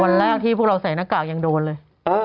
วันแรกที่พวกเราใส่หน้ากากยังโดนเลย